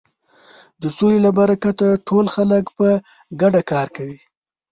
د سولې له برکته ټول خلک په ګډه کار کوي.